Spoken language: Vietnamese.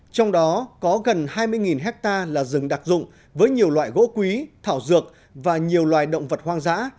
trong đó có gần hai mươi hectare là rừng đặc dụng với nhiều loại gỗ quý thảo dược và nhiều loài động vật hoang dã